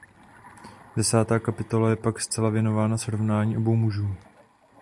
Desátá kapitola je pak celá věnována srovnání obou mužů.